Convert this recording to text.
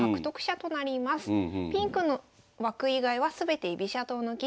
ピンクの枠以外は全て居飛車党の棋士。